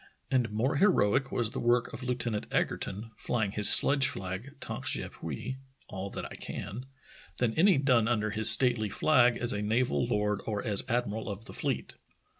And more heroic was the work of Lieutenant Egerton, flying his sledge flag, *' Tanq je puis (All that I can)," than an}' done under his stately flag as a naval lord or as admiral of the fleet.